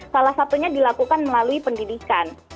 salah satunya dilakukan melalui pendidikan